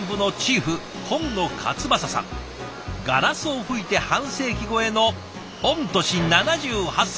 ガラスを吹いて半世紀超えの御年７８歳。